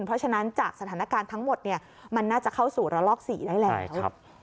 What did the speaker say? เพราะฉะนั้นจากสถานการณ์ทั้งหมดมันน่าจะเข้าสู่ระลอก๔ได้แล้ว